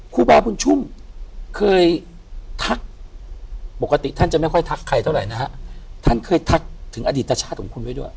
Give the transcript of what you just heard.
ครูบาบุญชุ่มเคยทักปกติท่านจะไม่ค่อยทักใครเท่าไหร่นะฮะท่านเคยทักถึงอดีตชาติของคุณไว้ด้วย